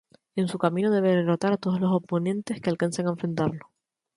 En su camino debe derrotar a todos los oponentes que alcancen a enfrentarlo.